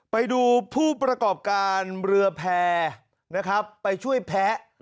ไปดูผู้ประกอบการเรือแพร่นะครับไปช่วยแพ้